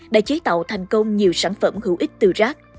đã chế tạo thành công nhiều sản phẩm hữu ích từ rác